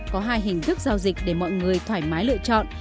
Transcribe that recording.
có hai hình thức giao dịch để mọi người thoải mái lựa chọn